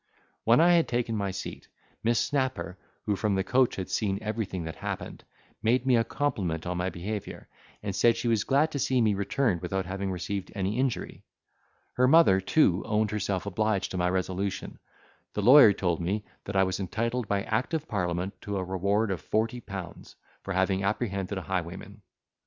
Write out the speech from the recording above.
When I had taken my seat, Miss Snapper, who from the coach had seen everything that happened; made me a compliment on my behaviour, and said she was glad to see me returned without having received any injury; her mother too owned herself obliged to my resolution: the lawyer told me, that I was entitled by act of parliament to a reward of forty pounds, for having apprehended a highwayman.